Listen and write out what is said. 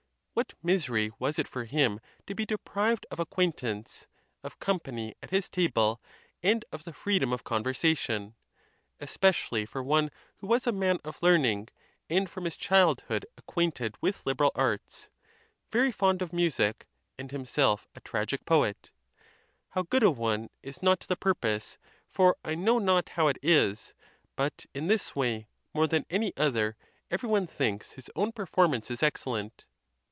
What misery was it for him to be deprived of ac quaintance, of company at his table, and of the freedom of conversation! especially for one who was a man of learn ing, and from his childhood acquainted with liberal arts, very fond of music, and himself a tragic poet—how good a one is not to the purpose, for I know not how it is, but in this way, more than any other, every one thinks his own performances excellent.